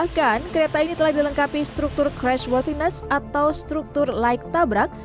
sebelum kemampuan beroperasi kereta ini telah dilengkapi struktur crashworthiness atau struktur light tabrak